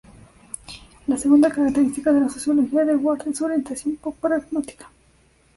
La segunda característica de la sociología de Ward, es su orientación pragmática.